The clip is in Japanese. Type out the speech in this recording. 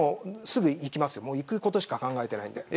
すぐいきますよいくことしか考えてないので。